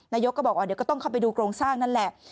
นายกก็บอกว่าเดี๋ยวก็ต้องเข้าไปดูโครงสร้างนั่นแหละ